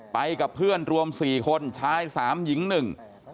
ไปกับเพื่อนรวมสี่คนชายสามหญิงหนึ่ง